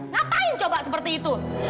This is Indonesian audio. ngapain coba seperti itu